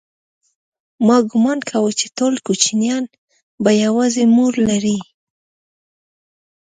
ما گومان کاوه چې ټول کوچنيان به يوازې مور لري.